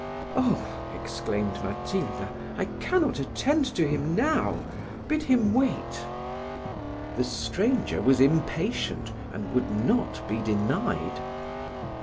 "Oh!" exclaimed Matilda, "I cannot attend to him now; bid him wait." The stranger was impatient, and would not be denied.